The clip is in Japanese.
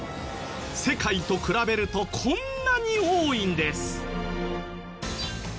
世界と比べるとこんなに多いんです。